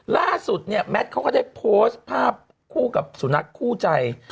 ล่าสุดเนี่ยแมทเขาก็ได้โพสต์ภาพคู่กับสุนัขคู่ใจ